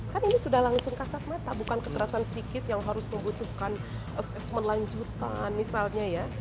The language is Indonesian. kan ini sudah langsung kasat mata bukan kekerasan psikis yang harus membutuhkan assessment lanjutan misalnya ya